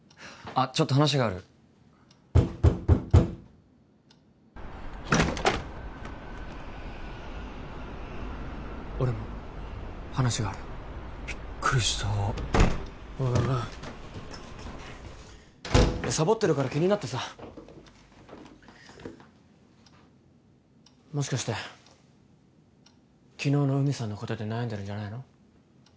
あっちょっと話がある俺も話があるビックリしたほらほらサボってるから気になってさもしかして昨日の海さんのことで悩んでるんじゃないの？